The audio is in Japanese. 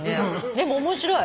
でも面白い。